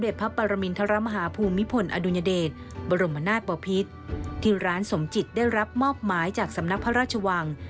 คุณร้านสมจิตได้รับมอบหมายจากสำนักพระราชวัง